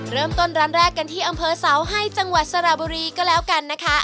เริ่มต้นร้านแรกกันที่อำเภอเสาให้จังหวัดสระบุรีก็แล้วกันนะคะ